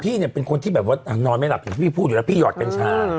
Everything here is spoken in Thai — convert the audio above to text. เนี่ยเป็นคนที่แบบว่านางนอนไม่หลับอย่างที่พี่พูดอยู่แล้วพี่หอดกัญชา